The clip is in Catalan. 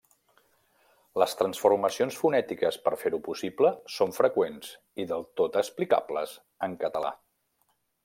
Les transformacions fonètiques per fer-ho possible són freqüents i del tot explicables en català.